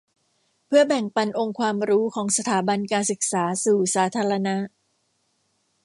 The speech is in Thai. เพื่อแบ่งปันองค์ความรู้ของสถาบันการศึกษาสู่สาธารณะ